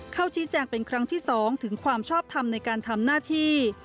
เข้าชี้แจงเป็นครั้งที่๒ถึงความชอบทำในการทำหน้าที่